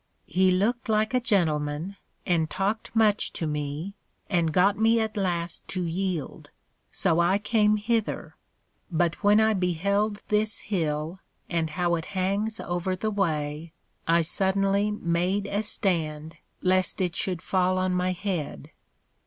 He looked like a Gentleman, and talked much to me, and got me at last to yield; so I came hither: but when I beheld this Hill, and how it hangs over the way, I suddenly made a stand, lest it should fall on my head.